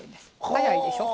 早いでしょ？